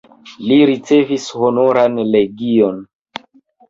Li ricevis Honoran legion.